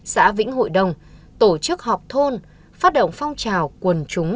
xã vĩnh hội đồng tổ chức họp thôn phát động phong trào quần chúng